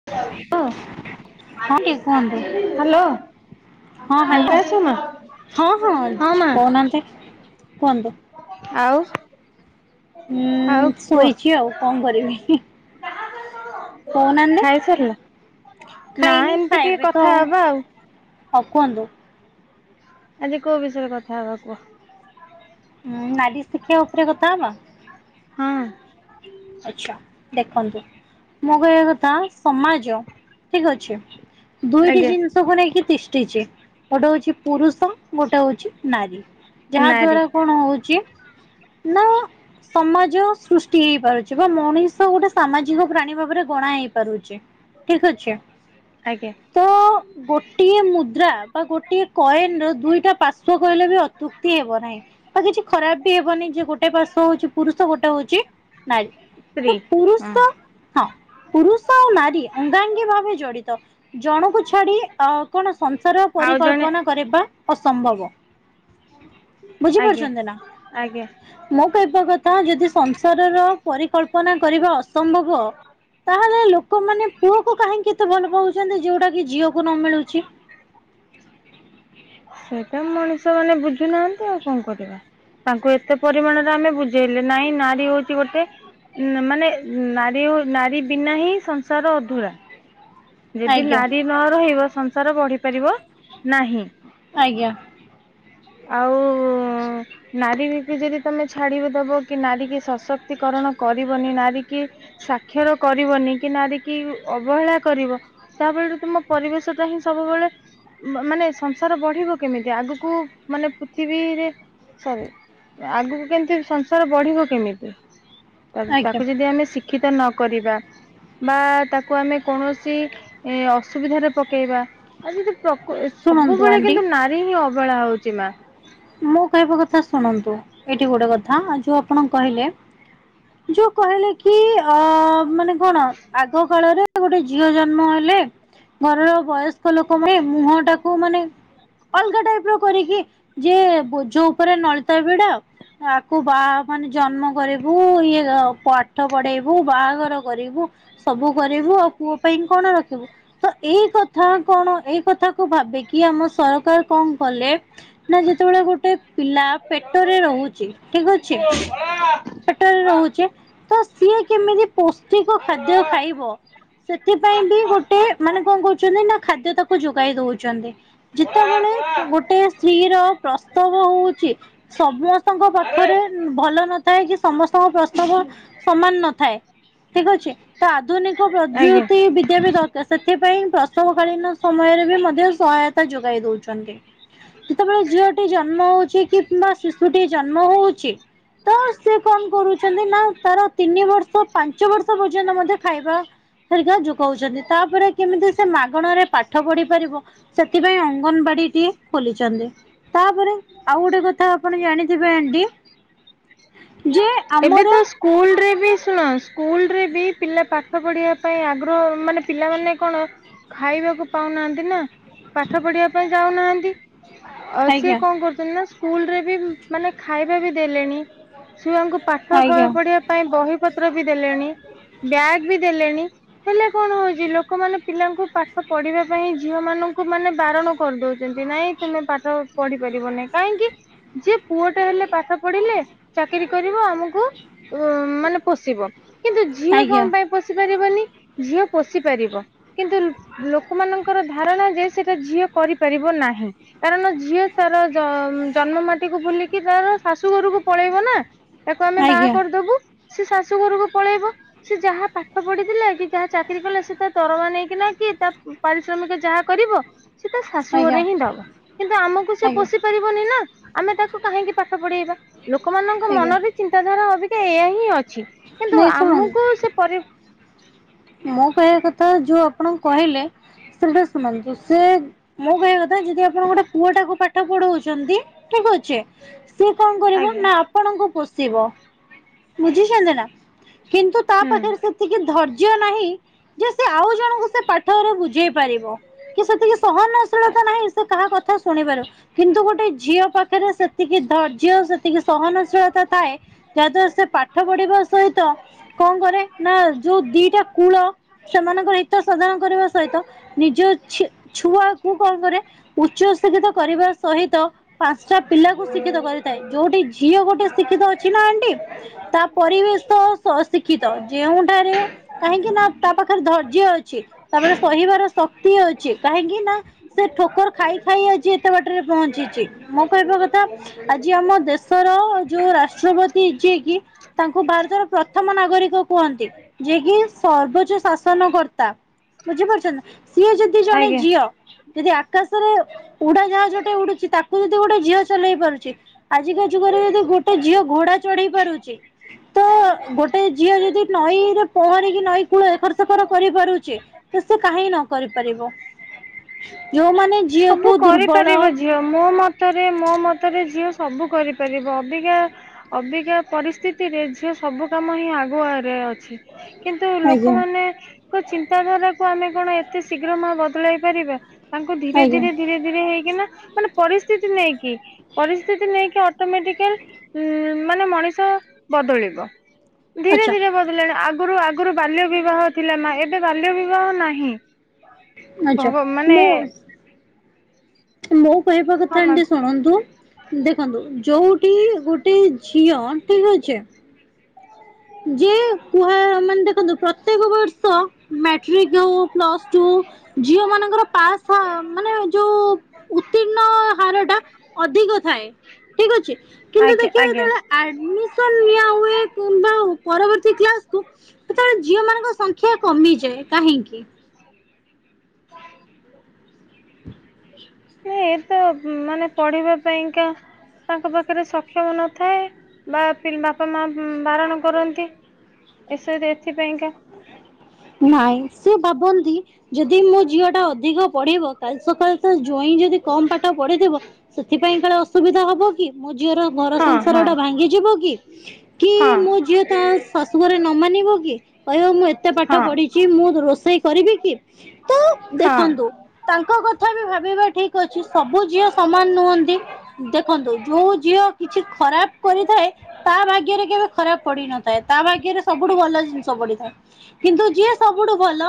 [inaudible] ହଁ ଟିକେ କୁହନ୍ତୁ ହ୍ୟାଲୋ। ହଁ ହ୍ୟାଲୋ ଫାଙ୍କା ଅଛ ମା? ହଁ ହଁ କହୁନାହାନ୍ତି କୁହନ୍ତୁ। ଆଉ। ଉୁଁ ଶୋଇଛି ଆଉ କଣ କରିବି। ଯାହା [unintelligible] କହୁନାହାନ୍ତି। ଖାଇସାରିଲ ନା ଖାଇନି ଏମିତି ଟିକେ କଥା ହବା ଆଉ। ହ କୁହନ୍ତୁ। ଆଜି କୋଉ ବିଷୟରେ କଥା ହବା କୁହ? ହୁଁ ନାରୀ ଶିକ୍ଷା ଉପରେ କଥା ହେବା? ହଁ। ଆଚ୍ଛା ଦେଖନ୍ତୁ ମୋ କହିବା କଥା ସମାଜ ଠିକ୍ ଅଛି। ଦୁଇଟି ଆଜ୍ଞା ଜିନ୍ସ୍ ଜିନିଷକୁ ନେଇକି ତିଷ୍ଠିଛି। ଗୋଟେ ହଉଛି ପୁରୁଷ ଗୋଟେ ହଉଛି ନାରୀ। ଯାହା ନାରୀ ଦ୍ଵାରା କଣ ହଉଛି ନା ସମାଜ ସୃଷ୍ଟି ହେଇପାରୁ ଛି ବା ମଣିଷ ଗୋଟେ ସାମାଜିକ ପ୍ରାଣୀ ଭାବରେ ଗଣା ହେଇ ପାରୁଛି ଠିକ୍ ଅଛି। ଆଜ୍ଞା। ତ ଗୋଟିଏ ମୁଦ୍ରା ବା ଗୋଟିଏ କଏନ୍ ର ଦୁଇଟା ପାର୍ଶ୍ଵ କହିଲେ ବି ଅତ୍ୟୁକ୍ତି ହେବ ନାହିଁ। ଆଉ କିଛି ଖରାପ ବି ହେବନି ଯେ ଗୋଟେ ପାର୍ଶ୍ଵ ହଉଛି ପୁରୁଷ ଗୋଟେ ହଉଛି ନାରୀ ସ୍ତ୍ରୀ ତ ହଁ ପୁରୁଷ ହଁ ପୁରୁଷ ଆଉ ନାରୀ ଅଙ୍ଗାଙ୍ଗୀ ଭାବେ ଜଡିତ। ଜଣଙ୍କୁ ଛାଡି ଅ କଣ ସଂସାର ଆଉ ଜଣେ ପରିକଳ୍ପନା କରିବା ଅସମ୍ଭବ ଆଜ୍ଞା ବୁଝିପାରୁଛନ୍ତି ନା? ଆଜ୍ଞା ମୁଁ କହିବା କଥା ଯଦି ସଂସାରର ପରିକଳ୍ପନା କରିବା ଅସମ୍ଭବ ତାହେଲେ ଲୋକମାନେ ପୁଅକୁ କାହିଁକି ଏତେ ଭଲ ପାଉଛନ୍ତି ଯୋଉଟା କି ଝିଅକୁ ନ ମିଳୁଛି। ସେଇଟା ମଣିଷ ମାନେ ବୁଝୁନାହାନ୍ତି ଆଉ କଣ କରିବା। ତାଙ୍କୁ ଏତେ ପରିମାଣରେ ଆମେ ବୁଝେଇଲେ ନାଇଁ ନାରୀ ହଉଛି ଗୋଟେ ଉଁ ମାନେ ନାରୀ ହଉ ନାରୀ ବିନା ହିଁ ସଂସାର ଅଧୁରା। ଯଦି ଆଜ୍ଞା ନାରୀ ନ ରହିବ ସଂସାର ବଢି ପାରିବ ନାହିଁ। ଆଜ୍ଞା। ଆଉ [unintelligible] ନାରୀ ବି କି ଯଦି ତମେ ଛାଡ଼ିଦେବ କି ନାରୀ କି ସଶକ୍ତିକରଣ କରିବନି ନାରୀ କି ସାକ୍ଷର କରିବନି କି ନାରି କିି ଅବହେଳା କରିବ ତା ବଳରେ ତୁମ ପରିବେଶ ଟା ହିଁ ସବୁବେଳେ ମାନେ ସଂସାର ବଢିବ କେମିତି ଆଗକୁ ମାନେ ପୃଥିବୀରେ ସରି ଆଗକୁ କେମିତି ସଂସାର ବଢିବ କେମିତି? ଆଜ୍ଞା ତାକୁ ଯଦି ଆମେ ଶିକ୍ଷିତ ନକରିବା ବା ତାକୁ ଆମେ କୌଣସ ସି ଅସୁବିଧାରେ ପକେଇବା ଆଉ ଯଦି ଶୁଣନ୍ତୁ ପ୍ରକୁ-ସବୁବେଳେ ଆଣ୍ଟି କିନ୍ତୁ ନା ରୀ ହିଁ ଅବହଳା ହଉଛି ମା। ମୁଁ କହିବା କଥା ଶୁଣନ୍ତୁ! ଏଇଠି ଗୋଟେ କଥା ଆଉ, ଯୋଉ ଆପଣ କହିଲେ ହ [inaudible] ଯୋଉ କହିଲେ କି-ଅ ମାନେ କଣ? ଆଗ କାଳରେ ଗୋଟେ ଝିଅ ଜନ୍ମ ହେଲେ ଘରର ବୟସ୍କ ଲୋକ ମାନେ ମୁହଁ ଟାକୁ ମାନେ, ଅଲଗା ଟାଇପ୍ ର କରିକି ଯେ ବୋଝ ଉପରେ ନଳିତା ବିଡା ଆକୁ ବାହା ମାନେ ଜନ୍ମ କରିବୁ, ଇଏ ପାଠ ପଢେଇବୁ, ବାହାଘର କରିବୁ ସବୁ କରେଇବୁ, ଆଉ ପୁଅ ପାଇଁ କଣ ରଖିବୁ? ତ ଏଇ କଥା କଣ! ଏଇ କଥା କୁ ଭାବିକିି ଆମ ସରକାର କଣ କଲେ? ନା ଯେତେବେଳେ ଗୋଟେ ପିଲା ପେଟରେ ରହୁଛି, ଠିକ୍ ଅଛି। ପେଟରେ ରହୁଛି, ତ ସିଏ କେମିତି ପୌଷ୍ଟିକ ଖାଦ୍ୟ ଖାଇବ? ସେଥିପାଇଁ ବି ଗୋଟେ ମାନେ କଣ କହୁଛନ୍ତି ନା? ଖାଦ୍ୟ ତାକୁ ଯୋଗାଇ ଦଉଛନ୍ତ। ଯେତେବେଳେ ଗୋଟେ ସ୍ତ୍ରୀ ର ପ୍ରସବ ହଉଚି ସମସ୍ତଙ୍କ ପାଖରେ ଭଲ ନଥାଏ କି, ସମସ୍ତଙ୍କ ପ୍ରସ୍ତାବ ସମାନ ନଥାଏ ଠିକ୍ ଅଛି। ତ ଆଧୁନିକ ଆଜ୍ଞା ପ୍ରଯୁତି ବିଦ୍ୟା ବି ଦରକାର। ସେଥିପାଇଁ ପ୍ରସବ କାଳୀନ ସମୟରେ ବି ମଧ୍ୟ ସହାୟତା ଯୋଗାଇ ଦଉଛନ୍ତି। ଯେତେବେଳେ ଝିଅଟି ଜନ୍ମ ହଉଛି, କିମ୍ବା ଶିଶୁଟି ଜନ୍ମ ହଉଚି ତ ସେ କନ୍ କରୁଛନ୍ତି! ନା, ତାର ତିନି ବର୍ଷ ପାଞ୍ଚ ବର୍ଷ ତ ପର୍ଯ୍ୟନ୍ତ ମଧ୍ୟ ଖାଇବା ହେରିକା ଯୋଗଉଛନ୍ତି। ତାପରେ କେମିତି ସେ ମାଗଣାରେ ପାଠ ପଢି ପାରିବ, ସେଥିପାଇଁ ଅଙ୍ଗନବାଡି ଟିଏ ଖୋଲି ଚନ୍ତି। ତା'ପରେ ଆଉ ଗୋଟେ କଥା ଆପଣ ଜାଣିଥିବେ ଆଣ୍ଟି? ଯେ ଏବେ ଆମର ତ ସ୍କୁଲ ରେ ବି ଶୁଣ, ସ୍କୁଲ୍ ରେ ବି ପିଲା ପାଠ ପଢିବା ପାଇଁ ଆଗ ଗ୍ରହ ମାନେ ପିଲାମାନେ କଣ ଖାଇବାକୁ ପାଉନାହାଁନ୍ତି ନା! ପାଠ ପଢିବା ପାଇଁ ଯାଉନାହାଁନ୍ତି। ଅ ସିଏ ଆଜ୍ଞା କଣ କରୁଛନ୍ତି ନା! ସ୍କୁଲ୍ ରେ ବି ମାନେ ଖାଇବା ବି ଦେଲେଣି। ଛୁଆଙ୍କୁ ପାଠ ଆଜ୍ଞା ପ-ପଢିବା ପାଇଁ ବହି ପତ୍ର ବି ଦେଲେଣି। ବ୍ୟାଗ୍ ବି ଦେଲେଣି। ହେଲେ କଣ ହଉଛି? ଲୋକମାନେ ପିଲାଙ୍କୁ ପାଠ ପଢିବା ପାଇଁ ଝିଅ ମାନଙ୍କୁ ମାନେ ବାରଣ କରିଦଉଛନ୍ତି। ନାଇଁ, ତୁମେ ପାଠ ପଢି ପାରିବନି କାହିଁକି? ଯିଏ ପୁଅ ଟେ ହେଲେ ପାଠ ପଢିଲେ, ଚାକିରି କରି କରିବ, ଆମକୁ ମାନେ ପୋଷିବ। କିନ୍ତୁ ଝିଅ ଆଜ୍ଞା କଣ ପାଇଁ ପୋଷି ପାରିବନି। ଝିଅ ପୋଷି ପାରିବ। କିନ୍ତୁ ଲୋକମାନଙ୍କର ଧାରଣା ଯେ, ସେଟା ଝିଅ କରିପାରିବ ନାହିଁ। କାରଣ ଝିଅ ତାର ଜ-ଜନ୍ମ ମାଟିକୁୁ ଭୁଲିକି, ତାର ଶାଶୁ ଘରକୁ ପଳେଇବ ନା! ତାକୁ ଆମେ ବାହା ଆଜ୍ଞା ଆଜ୍ଞା କରିଦବୁ। ସେ ଶାଶୁ ଘରୁକୁ ପଳେଇବ। ସେ ଯାହା ପାଠ ପଢିଥିଲା କି, ଯାହା ଚାକିରି କଲା ସେ, ତା ଦରମା ନେଇକିନା କିଏ ତା ପାରିଶ୍ରମିକ ଯାହା କରିବ, ସେ ତା ଶାଶୁ ଆଜ୍ଞା ଘରେ ହିଁ ଦବ। କିନ୍ତୁ ଆମକୁ ସେ ଆଜ୍ଞା ପୋଷି ପାରିବନି ନା। ଆମେ ତାକୁ କାହିଁକି ପାଠ ପଢେଇବା? ଲୋକମାନଙ୍କ ଙ୍କ ଆଜ୍ଞା ମନରେ ଚିନ୍ତାଧାରା ଅବିକା ଏଇଆ ହିଁ ଅଛି। କିନ୍ତୁ ନାଇଁ ଶୁଣନ୍ତୁ ଆମକୁ ସେ ପରି ମୋ କହିଆ କଥା ଯୋଉ ଆପଣ କହିଲେ, ସେ ଗୁଡ଼ା ଶୁଣନ୍ତୁ, ସେ ମୋ କହିଆ କଥା, ଯଦି ଆପଣ ଗୋଟେ ପୁଅଟାକୁ ପାଠ ପଢଉଛନ୍ତି, ଠିକ୍ ଅଛି। ସିଏ କଣ କରିବ? ଆଜ୍ଞା ନା ଆପ୍ ଆପଣ ଙ୍କୁ ପୋଷିବ। ବୁଝିଛନ୍ତି ନା! କିନ୍ତୁ ତା ହୁଁ ପାଖରେ ସେତିକି ଧର୍ ନାହିଁ, ଯେ ସେ ଆଉ ଜଣଙ୍କୁ ସେ ପାଠରା ବୁଝ୍ ହେଇ ପାରିବ କି ସେତିକି ସହନଶୀଳତା ନାହିଁ ସେ କାହା କଥା। ଶୁଣିପାରିବ କିନ୍ତୁ ଗୋଟେ ଝିଅ ପାଖରେ ସେତିକି ଧର୍ଯ୍ୟ। ସେତିକି ସହନଶୀଳତା ଥାଏ ଯାହାଦ୍ଵାରା ସେ ପାଠ ପଢିବା ସହିତ କଣ କରେ ନା ଯୋଉ ଦି ଟା କୂଳ ସେମାନଙ୍କ ହିତ ସାଧନା କରିବା ସହିତ ନିଜ ଝି ଛୁଆ ମୁଁ କଣ କରେ ଉଚ୍ଚଶିକ୍ଷିତ କରିବା ସହିତ ପାଞ୍ଚଟା ପିଲାକୁ ଶିକ୍ଷିତ କରିଥାଏ ଯୋଉଠି ଝିଅ ଗୋଟେ ଶିକ୍ଷିତ ଅଛି ନା ଆଣ୍ଟି ତା ପରିବେଶ ସ ଶିକ୍ଷିତ ଯେଉଁଠାରେ କାହିଁକି ନା ତା ପାଖରେ ଧୈର୍ଯ୍ୟ ଅଛି ତାପରେ ସହିବାର ଶକ୍ତି ଅଛି କାହିଁକି ନା ସେ ଠୋକର ଖାଇ ଖାଇ ଆଜି ଏତେ ବାଟରେ ପହଞ୍ଚିଛି ମୋ କହିବା କଥା ଆଜି ଆମ ଦେ ଶର ଯୋଉ ରାଷ୍ଟ୍ରପତି ଯିଏ କି ତାଙ୍କୁ ଭାରତର ପ୍ରଥମ ନାଗରିକ କୁହନ୍ତି ଯିଏ କି ସର୍ବୋଚ୍ଚ ଶାସନ କର୍ତ୍ତା ବୁଝିପାରୁଛନ୍ତି ସିଏ ଯଦି ଜଣେ ଆଜ୍ଞା। ଝିଅ। ଯଦି ଆକାଶରେ ଉଡାଜାହାଜଟେ ଉଡୁଛି ତାକୁ ଯଦି ଗୋଟେ ଝିଅ ଚଲେଇ ପାରୁଛି। ଆଜିକା ଯୁଗରେ ଯଦି ଗୋଟେ ଝିଅ ଘୋଡା ଚଢେଇ ପାରୁଛି। ତ ଗୋଟେ ଝିଅ ଯଦି ନଈରେ ପହଁରି କି ନଈ କୂଳରେ ଏଖରସେଖର କରିପାରୁଛି ଫିର୍ ସେ କାହିଁ ନ କରିପାରିବ। ଯଉମାନେ ସବୁ ଝିଅକୁ ଦୁର୍ବଳ କରିପାରିବ ଝିଅ ମୋ ମତରେ ମୋ ମତରେ ଝିଅ ସବୁ କରିପାରିବ ଅବିକା। ଅବିକା ପରିସ୍ଥିତିରେ ଝିଅ ସବୁ କାମ ହିଁ ଆଗୁଆ ରେ ଅଛି। କିନ୍ତୁ ଆଜ୍ଞା ଲୋକମାନେ ତାଙ୍କ ଚିନ୍ତାଧାରାକୁ ଆମେ କଣ ଏତେ ଶୀଘ୍ର ମା ବଦଳାଇ ପାରିବା ତାଙ୍କୁ ସେ ଧୀରେ ଆଜ୍ଞା ଧୀରେ ଧୀରେ ହେଇକିନା ମାନେ ପରିସ୍ଥିତି ନେଇକି। ପରିସ୍ଥିତି ନେଇକି ଅଟୋମେଟିକାଲ ଉଁ ମାନେ ମଣିଷ ବଦଳିବ। ଧୀରେ ଆଚ୍ଛା ଧୀରେ ବଦିଳିଲାଣି ଆଗରୁ ଆଗରୁ ବାଲ୍ୟ ବିବାହ ଥିଲା ମା ଏବେ ବାଲ୍ୟ ବିବାହ ନାହିଁ। ଆଚ୍ଛା ଓହୋ ମାନେ। ମୁଁ ମୋ କହିବା ହଁ କଥା ଆଣ୍ଟୀ ମା ଶୁଣନ୍ତୁ ଦେଖନ୍ତୁ ଯୋଉ ଟି ଗୋଟେ ଝିଅ ଠିକ ଅଛି। ଯିଏ କୁହା ମାନେ ଦେଖନ୍ତୁ ପ୍ରତ୍ୟେକ ବର ସ ମେଟ୍ରିକ ଯଉ ପ୍ଲସ ଯୋଉ ଝିଅ ମାନଙ୍କର ପାସ ଫା ମାନେ ଯୋଉ ଉତ୍ତୀର୍ଣ୍ଣ ହାର ଟା ଅଧିକ ଥାଏ ଠିକ ଅଛି କିନ୍ତୁ ଆଜ୍ଞା ଦେଖିବା ଆଜ୍ଞା ଯେତେବେଳେ ଆଡମିସନ ନିଆ ହୁଏ କିମ୍ବା ପରବର୍ତ୍ତୀ କ୍ଲାସ କୁ ସେତେବେଳେ ଝିଅ ମାନଙ୍କ ସଂଖ୍ୟା କମିଯାଏ କାହିଁକି? [inaudible] ଏତ ମାନେ ପଢିବା ପାଇଁକା ତାଙ୍କ ପାଖରେ ସକ୍ଷମ ନଥାଏ ବା ବାପା ମା ବାରଣ କରନ୍ତି। ବିଷୟରେ ଏଥିପାଇଁକା। ନାଇଁ ସେ ଭାବନ୍ତି ଯଦି ମୋ ଝିଅ ଟା ଅଧିକ ପଢିବ କାଲି ସକାଳେ ତ ଜଇଁ ଯଦି କମ ପାଠ ପଢିଥିବ। ସେଥିପାଇଁ କାଳେ ଅସୁବିଧା ହବ କି ମୋ ଝିଅର ଗର ହଁ ସଂସାର ହଁ ଟା ଭାଙ୍ଗିଯିବ କି? କି ହଁ ମୋ ଝିଅ ତା ଶାଶୁ ଘରେ ନ ମାନିବ କି କହିବ ମୁଁ ଏତେ ପା ହଁ କିଛି ମୁଁ ରୋଷେଇ କରିବି କି ତ ହଁ ଦେଖନ୍ତୁ ତାଙ୍କ କଥା ବି ଭାବିବା ଠିକ୍ ଅଛି ସବୁ ଝିଅ ସମାନ ନୁହନ୍ତି। ଦେଖନ୍ତୁ ଯୋଉ ଝିଅ କିଛି ଖରାପ କରିଥାଏ। ତା ଭାଗ୍ୟରେ କେବେ ଖରାପ ପଡିନଥାଏ ତା ଭାଗ୍ୟରେ ସବୁଠୁ ଭଲ ଜିନିଷ ପଡିଥାଏ। କିନ୍ତୁ ଯିଏ ସବୁଠୁ ଭଲ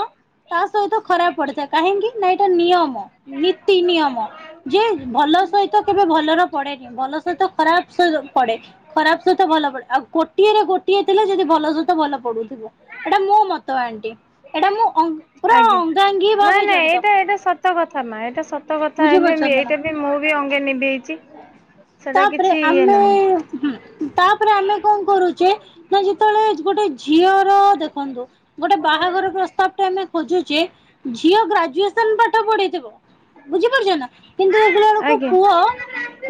ତାସହିତ ଖରାପ ପଡିଥାଏ କାହିଁକି ନା ଏଇଟା ନିୟମ ନୀତି ନିୟମ? ଯେ ଭଲ ସହିତ କେବେ ଭଲର ପଡେନି ଭଲ ସହିତ ଖରାପ ସହିତ ପଡେ। ଖରାପ ସହିତ ଭଲ ପଡେ ଆଉ କୋଟିଏରେ ଗୋଟିଏ ଥିଲା ଯଦି ଭଲ ସହିତ ଭଲ ପଡୁଥିବ ଏଇଟା ମୋ ମତ। ଏମିତି ଆଜ୍ଞା ନାଇଁ ଭାବେ ନାଇଁ ଜଡିତ ଏଇଟା ଏଇଟା ସତ କଥା ମା ଏଟା ସତ କଥା। ତା [unintelligible] ବୁଝିପାରୁଛନ୍ତି ନା। ଏଇଟାବି ମୁଁବି ଅଙ୍ଗେ ନିଭେଇଚି। ତାପରେ ଆମେ ହୁଁ ତାପରେ ଆମେ କଣ କରୁଚେ ନା ଯେତେବେଳେ ଗୋଟେ ଝିଅ ତ ଦେଖନ୍ତୁ ଗୋଟେ ବାହାଘର ପ୍ରସ୍ତାବଟା ଆମେ ଖୋଜୁଚେ ଝିଅ ଗ୍ରାଜୁଏସନ ପାଠ ପଢିଥିବ ବୁଝିପାରୁଚନା କିନ୍ତୁ ଦେଖିଲା ବେଳକୁ ଆଜ୍ଞା। ପୁଅ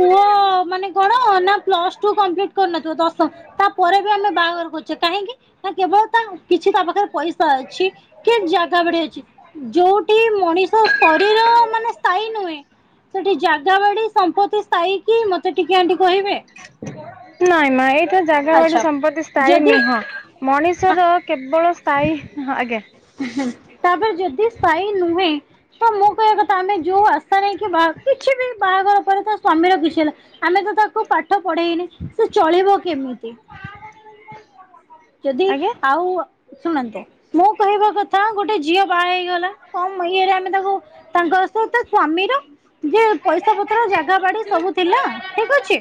ପୁଅ ମାନେ କଣ ନା ପ୍ଲସ ଟୁ କମ୍ପ୍ଲିଟ କରିନଥିବ ଦଶମ ତାପରେବି ଆମେ ବାହାଘର କରୁଚେ କାହିଁକି? ନା କେବଳ ତା କିଛି ତାପାଖରେ ପଇସା ଅଛି କି ଜାଗା ବାଡି ଅଛି। ଯୋଉଠି ମଣିଷ ଶରୀର ମାନେ ସ୍ଥାୟୀ ନୁହେଁ ସେଠି ଜାଗା ବାଡି ସମ୍ପତି ସ୍ଥାୟୀକି ମତେ ଟିକେ ଆଣ୍ଟି କହିବେ? ନାଇଁ ମା ଏଇଟା ଜାଗା ବାଡି ଆଚ୍ଛା ସମ୍ପତ୍ତି ସ୍ଥାୟୀ ଯଦି ନୁହଁ ମଣିଷର କେବଳ ସ୍ଥାୟୀ ହଁ ଆଜ୍ଞା। ଏଁ ହେଁ ତାପରେ ଯଦି ସ୍ଥାଇ ନୁହେଁ? ହଁ ମୁଁ କହିବା କଥା ଆମେ ଯୋଉ ଆଶା ନେଇକି ବା କିଛିବି ବାହାଘର ପରେ ତା ସ୍ଵାମୀର କିଛି ହେଲା ଆମେତ ତାକୁ ପାଠ ପଢେଇନେ ସେ ଚଳିବ କେମିତି? [unintelligible] ଯଦି ଆଜ୍ଞା ଆଉ ଶୁଣନ୍ତୁ ମୁଁ କହିବା କଥା ଗୋଟେ ଝିଅ ବାହା ହେଇଗଲା କମ ଇଏରେ ଆମେ ତାକୁ ତାଙ୍କ ସହିତ ସ୍ଵାମୀର ଯେ ପଇସା ପତ୍ର ଜାଗା ବାଡି ସବୁ ଥିଲା ଠିକ ଅଛି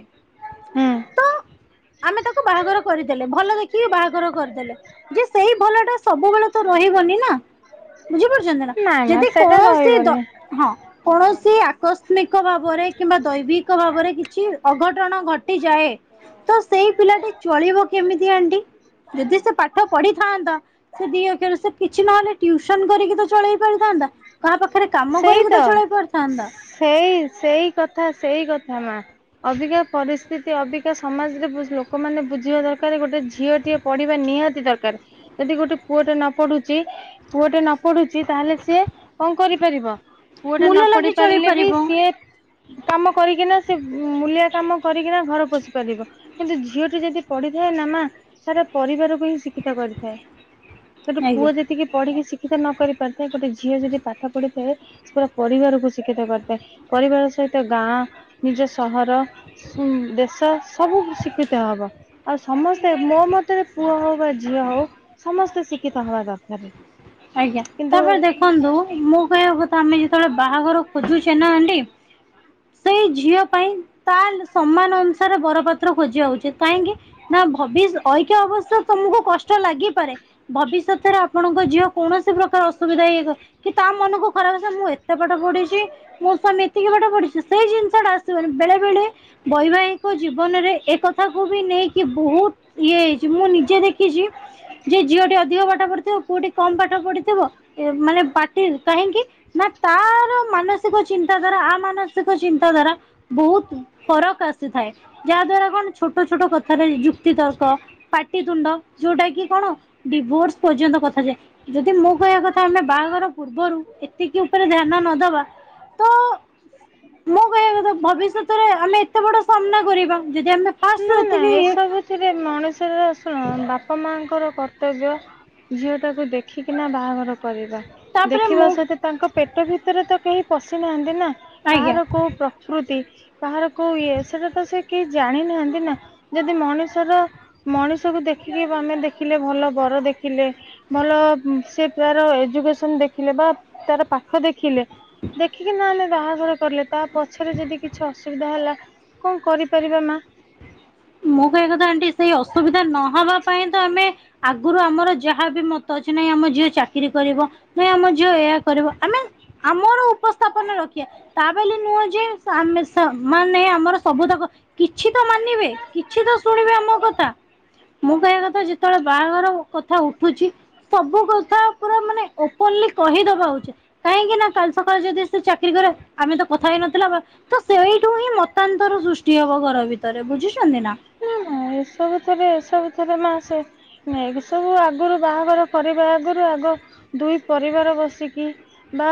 ହୁଁ। ତ ଆମେ ତାକୁ ବାହାଘର କରିଦେଲେ ଭଲ ଦେଖି କି ବାହାଘର କରିଦେଲେ ଯେ ସେଇ ଭଲଟା ସବୁବେଳେତ ରହିବନିନା ବୁଝିପାରୁ ଚନ୍ତିନା ନା ନା ଯଦି ସେଟା କୌଣସି ରହିବନି ଦ ହଁ। କୌଣସି ଆକସ୍ମିକ ଭାବରେ କିମ୍ବା ଦୈବିକ ଭାବରେ କିଛି ଅଘଟଣ ଘଟିଯାଏ। ତ ସେଇ ପିଲାଟି ଚଳିବ କେମିତି ଆଣ୍ଟି ଯଦି ସେ ପାଠ ପଢିଥାନ୍ତା? ସେ ଦି ଅକ୍ଷ ସେ କିଛି ନହେଲେ ଟିଉସନ କରିକିତ ଚଳେଇ ପାରିଥାନ୍ତା। କାହା ପାଖରେ କାମ ସେଇ ତ କରିକିତ ଚଳେଇ ପାରିଥାନ୍ତା? ସେଇ ସେଇକଥା ସେଇକଥା ମା। ଅବିକା ପରିସ୍ଥିତି ଅବିକା ସମାଜରେ ବହୁତ ଲୋକମାନେ ବୁଝିବା ଦରକାର ଗୋଟେ ଝିଅଟିଏ ପଢିବା ନିହାତି ଦରକାର। ଯଦି ଗୋଟେ ପୁଅଟେ ନପଢୁଛି ପୁଅଟେ ନପଢୁଛି ତାହେଲେ ସିଏ କଣ କରି ପାରିବ ପୁଅଟେ ମୂଲ ନପଢି ଲାଗି ଚଳେଇ ପାରିଲେବି ପାରିବ ସିଏ କାମ କରିକିନା ସେ ମୂଲିଆ କାମ କରିକିନା ଘର ପୋଷି ପାରିବ। କିନ୍ତୁ ଝିଅଟି ଯଦି ପଢିଥାଏନା ମା ସାରା ପରିବାରକୁ ହିଁ ଶିକ୍ଷିତ କରିଥାଏ ଗୋଟେ ପୁଅ ଆଜ୍ଞା ଯେତିକି ପଢିକି ଶିକ୍ଷିତ ନ କରିପାରିଥାଏ ଗୋଟେ ଝିଅ ଜଦି ପାଠ ପଡିଥାଏ ସେ ପୁରା ପରିବାରକୁ ଶିକ୍ଷିତ କରିଥାଏ ପରିବାର ସହିତ ଗାଁ ନିଜ ସହର ହୁଁ ଦେଶ ସବୁ ଶିକ୍ଷିତ ହବ। ଆଉ ସମସ୍ତେ ମୋ ମତରେ ପୁଅ ହଉବା ଝିଅହଉ ସମସ୍ତେ ଶିକ୍ଷିତ ହବା ଦରକାରେ। ଆଜ୍ଞା ତାପରେ ଦେଖ ଦେଖନ୍ତୁ ମୁଁ କହିବା କଥା ଆମେ ଯେତେବେଳେ ବାହାଘର ଖୋଜୁଛେ ନା ଆଣ୍ଟି ସେଇ ଝିଅ ପାଇଁ ତା ସମାନ ଅନୁସାରେ ବର ପାତ୍ର ଖୋଜିବା ଉଚିତ କାହିଁକି? ନା ଭବିଷଐକ ଅବସ୍ାରେ ତମକୁ କଷ୍ଟ ଲାଗିପାରେ ଭବିଷ୍ୟତରେ ଆପଣଙ୍କ ଝିଅ କୌଣସି ପ୍ରକାର ଅସୁବିଧା ହେଇ କି ତା ମନକୁ ଖରାପ ମୁଁ ଏତେ ପାଠ ପଢିଛି ମୋ ସ୍ବାମୀ ଏତିକି ପାଠ ପଢିଛି। ସେଇ ଜିନିଷ ଟା ଆସିବ ବେଳେବେଳେ ବୈବାହିକ ଜୀବନରେ ଏ କଥାକୁ ବି ନେଇକି ବହୁତ ଇଏ ମୁଁ ନିଜେ ଦେଖିଛି ଯେ ଝିଅଟି ଅଧିକ ପାଠ ପଢିଥିବ ପୁଅଟି କମ୍ ପାଠ ପଢି- ଥିବ ମାନେ ପାଟି କାହିଁକି ନା ତାର ମାନସିକ ଚିନ୍ତାଧାରା ଆମାନସିକ ଚିନ୍ତାଧାରା ବହୁତ ଫରକ ଆସିଥାଏ। ଯାହା ଦ୍ଵାରା କଣ ଛୋଟ ଛୋଟ କଥାରେ ଯୁକ୍ତି ତର୍କ ପାଟିତୁଣ୍ଡ ଯୋଉଟା କି କଣ ଡିଭୋର୍ସ ପର୍ଯ୍ୟନ୍ତ କଥା ଯାଏ। ଯଦି ମୁଁ କହିବା କଥା ଆମେ ବାହାଘର ପୂର୍ବରୁ ଏତିକି ଉପରେ ଧ୍ୟାନ ନ ଦେବା ଆ [inaudible] ମୁଁ କହିବା କଥା ଭବିଷ୍ୟତରେ ଆମେ ଏତେ ବଡ ସାମ୍ନା କରିବା ଯଦି ଆମେ ନା ଫାଷ୍ଟରୁ ନା ଏତିକି ଇଏ ଏସବୁଥିରେ ମଣିଷର ଶୁଣ ବାପା ମାଙ୍କର କର୍ତ୍ତବ୍ୟ ଝିଅ ଟାକୁ ଦେଖିକିନା ବାହାଘର କରିବା। ତାପରେ ଦେଖିବା ମୁଁ ସହିତ ତାଙ୍କ ପେଟ ଭିତରେ ତ କେହି ପଶିନାହାନ୍ତି ନା ଆଜ୍ଞା କାହାର କୋଉ କୃତି ବାହାର କୋଉ ଇଏ ସେଟା ତ ସେ କେହି ଜାଣି ନାହାନ୍ତି ନା ଯଦି ମଣିଷର ମଣିଷକୁ ଦେଖିକି ଆମେ ଦେଖିଲେ ଭଲ ବର ଦେଖିଲେ। ଭଲ ସେ ତାର ଏଜୁକସନ ଦେଖିଲେ ବା ତାର ପାଠ ଦେଖିଲେ। ଦେଖିକି ନା ଆମେ ବାହାଘର କଲେ ତା ପଛରେ ଯଦି କିଛି ଅସୁବିଧା ହେଲା କଣ କରିପାରିବା ମା? ମୁଁ କହିବା କଥା ଆଣ୍ଟି ସେଇ ଅସୁବିଧା ନହବା ପାଇଁ ତ ଆମେ ଆଗରୁ ଆମର ଯାହା ବି ମତ ଅଛି ନାହିଁ ଆମ ଝିଅ ଚାକିରି କରିବ। ଆମ ଝିଅ ଏଇଆ କରିବ ଆମେ ଆମର ଉପସ୍ଥାପନ ରଖି ତା ବୋଲି ନୁହଁ ଯେ ଆେ ମାନେ ଆମର ସବୁ ତକ କିଛି ତ ମାନିବେ କିଛି ତ ଶୁଣିବେ ଆମ କଥା ମୁଁ କହିବା କଥା ଯେତେବେଳେ ବାହାଘର କଥା ଉଠୁଛି ସବୁ କଥା ପୁରା ମାନେ [unintelligible] କହିଦେବା ଉଚିତ କାହିଁକି ନା ସକାଳେ ଯଦି ଚାକିରି କରେ ଆମେ ତ କଥା ହେଇ ନଥିଲା। ତ ସେଇଠୁ ହିଁ ମତାନ୍ତର ସୃଷ୍ଟି ହବ ଘର ଭିତରେ ବୁଝିଛନ୍ତି ନା। ଉୁ ଏସବୁ ଥିରେ ଏସବୁ ଥିରେ ମାସେ ନାଇଁ ଏ ସବୁ ଆଗରୁ ବାହାଘର କରିବା ଆଗରୁ ଆଗ ଦୁଇ ପରିବାର ବସିକି ବା